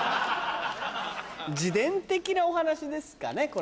自伝的なお話ですかね？